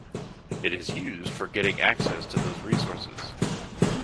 It is used for getting access to those resources